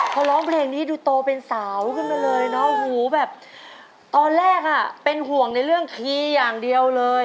พอร้องเพลงนี้ดูโตเป็นสาวขึ้นมาเลยเนาะหูแบบตอนแรกอ่ะเป็นห่วงในเรื่องคีย์อย่างเดียวเลย